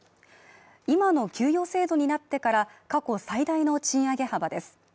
今の給与制度になってから過去最大の賃上げ幅です。